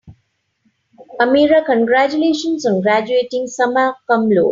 "Amira, congratulations on graduating summa cum laude."